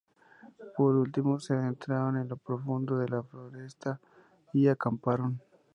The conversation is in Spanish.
Por último se adentraron en lo profundo de la foresta y acamparon.